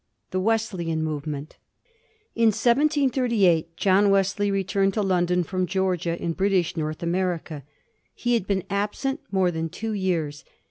THE WESLEYAK MOVEMENT. In 1738 John Wesley returned to London from Greorgia, in British North America. He had been absent more than two years.